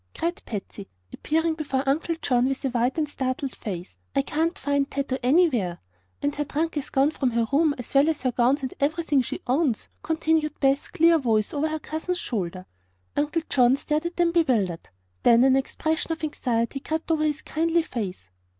cried Patsy, appearing before Uncle John with a white and startled face. "I can't find Tato anywhere." "And her new trunk is gone from her room, as well as her gowns and everything she owns," continued Beth's clear voice, over her cousin's shoulder. Uncle John stared at them bewildered. Then an expression of anxiety crept over his kindly face.